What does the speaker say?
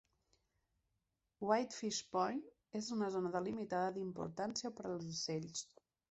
Whitefish Point és una zona delimitada d'importància per als ocells.